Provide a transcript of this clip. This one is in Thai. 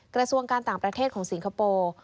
กระทรวงการต่างประเทศของสิงคโปร์